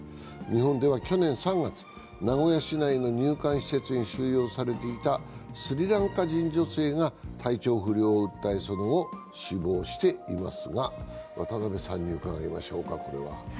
日本では去年３月、名古屋市内の入管施設に収容されていたスリランカ人女性が体調不良を訴え、その後、死亡していますが、渡部さんに伺いましょうか。